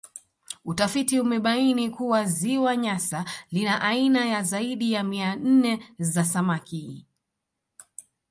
Utafiti umebaini kuwa Ziwa Nyasa lina aina ya zaidi ya mia nne za samaki